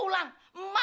kau mau ngasih apa